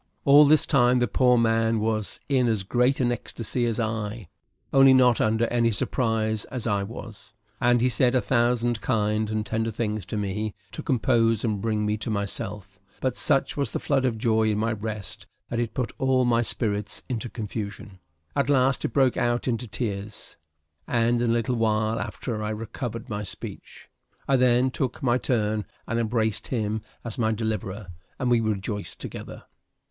All this time the poor man was in as great an ecstasy as I, only not under any surprise as I was, and he said a thousand kind and tender things to me, to compose and bring me to myself; but such was the flood of joy in my breast that it put all my spirits into confusion: at last it broke out into tears, and in a little while after I recovered my speech; I then took my turn, and embraced him as my deliverer, and we rejoiced together.